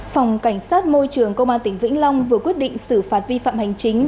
phòng cảnh sát môi trường công an tỉnh vĩnh long vừa quyết định xử phạt vi phạm hành chính